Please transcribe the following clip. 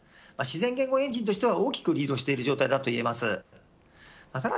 自然言語エンジンとしては大きくリードしている状態だといえます。